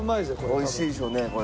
おいしいでしょうねこれ。